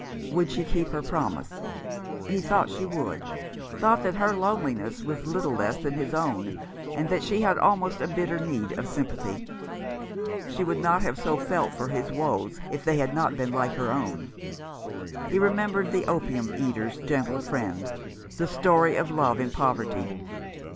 " Would she keep her promise ?" He thought she would — thought that her loneli ness was little less than his own, that she had almost as bitter need of sympathy. She would not have so felt for his woes if they had not been like her own. He remembered the opium eater's gentle friend — that story of love in poverty.